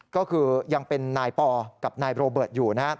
ก็คือยังเป็นนายปอร์กับนายโรเบิร์ตอยู่